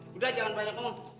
sudah jangan banyak ngomong